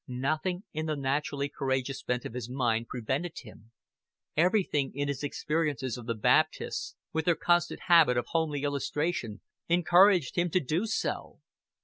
Nothing in the naturally courageous bent of his mind prevented him; everything in his experiences of the Baptists, with their constant habit of homely illustration, encouraged him to do so.